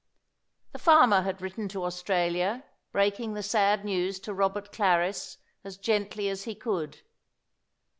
The farmer had written to Australia, breaking the sad news to Robert Clarris as gently as he could.